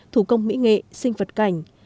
thủ công mỹ nghệ sinh vật cảnh